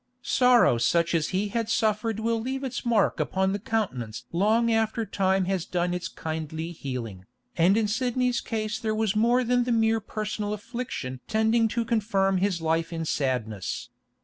Sorrow such as he had suffered will leave its mark upon the countenance long after time has done its kindly healing, and in Sidney's case there was more than the mere personal affliction tending to confirm his life in sadness.